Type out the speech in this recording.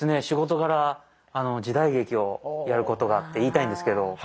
仕事柄時代劇をやることがって言いたいんですけど